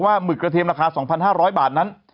หมึกกระเทียมราคา๒๕๐๐บาทนั้น